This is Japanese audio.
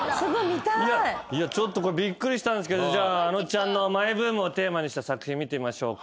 ちょっとこれびっくりしたんすけどあのちゃんのマイブームをテーマにした作品見てみましょう。